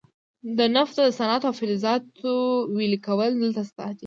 د نفتو د صنعت او فلزاتو ویلې کول دلته شته دي.